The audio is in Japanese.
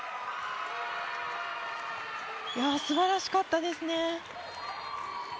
素晴らしかったですね。